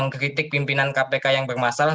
mengkritik pimpinan kpk yang bermasalah